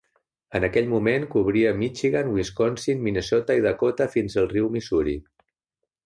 En aquell moment cobria Michigan, Wisconsin, Minnesota i Dakota fins al riu Missouri.